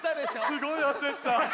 すごいあせった！